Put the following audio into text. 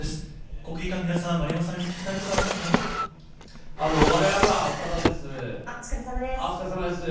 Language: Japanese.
国技館の皆さん、丸山さんに聞きたいことはありますか。